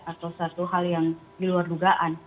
atau satu hal yang diluardugaan